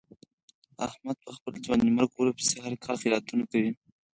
احمد په خپل ځوانیمرګ ورور پسې هر کال خیراتونه کوي.